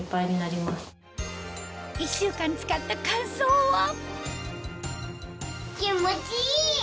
１週間使った感想は？